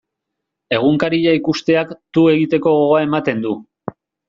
Egunkaria ikusteak tu egiteko gogoa ematen du.